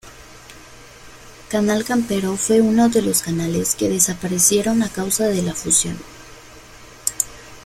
Canal Campero fue uno de los canales que desaparecieron a causa de la fusión.